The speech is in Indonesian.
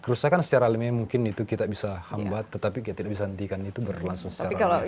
kerusakan secara alamiah mungkin itu kita bisa hambat tetapi kita tidak bisa hentikan itu berlangsung secara baik